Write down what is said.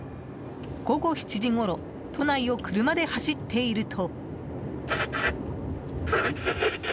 午後７時ごろ都内を車で走っていると。